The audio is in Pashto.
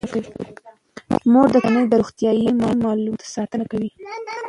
مور د کورنۍ د روغتیايي معلوماتو ساتنه کوي.